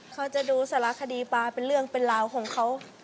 เขาจะดูสารคดีปลาเป็นเรื่องเป็นราวของเขา